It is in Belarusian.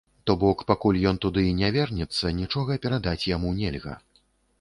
То бок, пакуль ён туды не вернецца, нічога перадаць яму нельга.